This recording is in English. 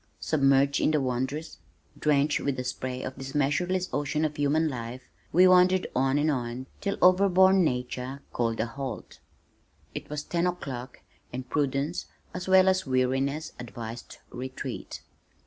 Submerged in the wondrous, drenched with the spray of this measureless ocean of human life, we wandered on and on till overborne nature called a halt. It was ten o'clock and prudence as well as weariness advised retreat.